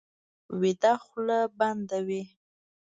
ویده خوله بنده وي